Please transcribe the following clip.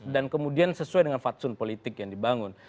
dan kemudian sesuai dengan fatsun politik yang dibangun